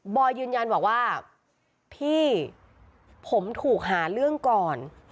อยยืนยันบอกว่าพี่ผมถูกหาเรื่องก่อน